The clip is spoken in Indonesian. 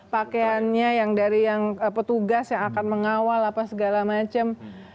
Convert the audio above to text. pakaiannya yang dari yang petugas yang akan mengawal apa segala macam